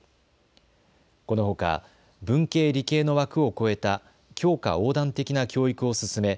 このほか文系・理系の枠を越えた教科横断的な教育を進め